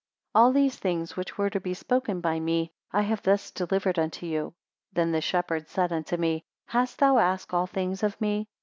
277 All these things which were to be spoken by me, I have thus delivered unto you. Then the shepherd said unto me, Hast thou asked all things of me?